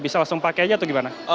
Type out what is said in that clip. bisa langsung pakai aja atau gimana